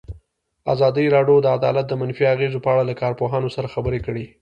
ازادي راډیو د عدالت د منفي اغېزو په اړه له کارپوهانو سره خبرې کړي.